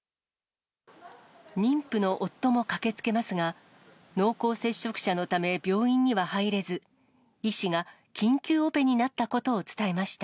妊婦の夫も駆けつけますが、濃厚接触者のため、病院には入れず、医師が緊急オペになったことを伝えました。